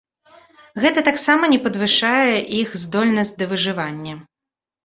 Гэта таксама не падвышае іх здольнасць да выжывання.